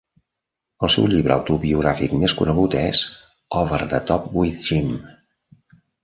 El seu llibre autobiogràfic més conegut és "Over The Top With Jim".